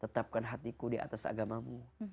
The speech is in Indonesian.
tetapkan hatiku di atas agamamu